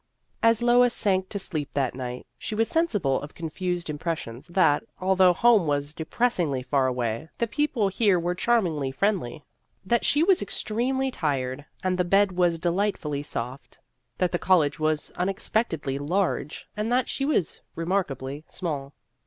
As Lois sank to sleep that night, she was sensible of confused impressions that, although home was depressingly far away, the people here were charmingly friendly ; that she was extremely tired and the bed was delightfully soft ; that the college was unexpectedly large and that she was remarkably small.